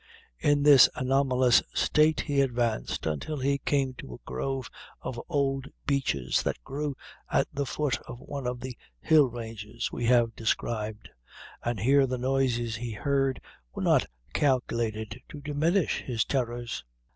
In this anomalous state he advanced, until he came to a grove of old beeches that grew at the foot of one of the hill ranges we have described, and here the noises he heard were not calculated to diminish his terrors.